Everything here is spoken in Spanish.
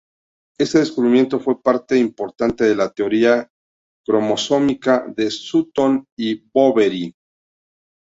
Este descubrimiento fue parte importante de la teoría cromosómica de Sutton y Boveri.